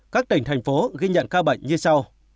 các tỉnh thành phố ghi nhận ca bệnh như sau